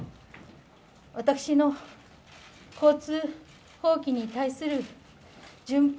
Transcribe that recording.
私の交通法規に対する順法